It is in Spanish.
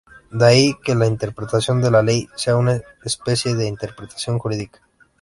De ahí que la interpretación de la ley sea una especie de interpretación jurídica.